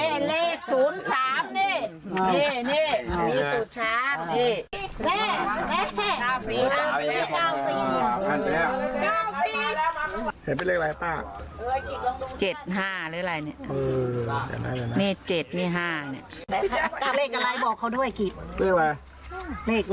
นี่นี่นี่นี่นี่นี่นี่นี่นี่นี่นี่นี่